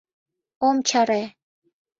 Ом чаре.